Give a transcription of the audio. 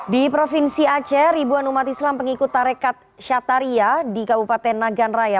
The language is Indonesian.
di provinsi aceh ribuan umat islam pengikut tarekat syataria di kabupaten nagan raya